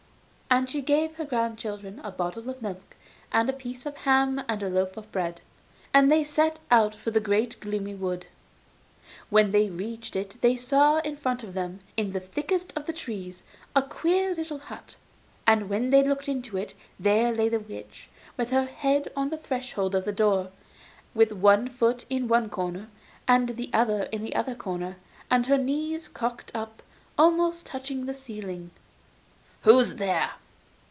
And she gave her grandchildren a bottle of milk and a piece of ham and a loaf of bread, and they set out for the great gloomy wood. When they reached it they saw in front of them, in the thickest of the trees, a queer little hut, and when they looked into it, there lay the witch, with her head on the threshold of the door, with one foot in one corner and the other in the other corner, and her knees cocked up, almost touching the ceiling. 'Who's there?